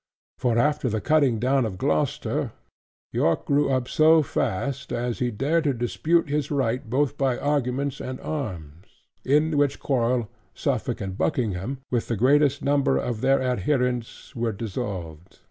For after the cutting down of Gloucester, York grew up so fast, as he dared to dispute his right both by arguments and arms; in which quarrel, Suffolk and Buckingham, with the greatest number of their adherents, were dissolved.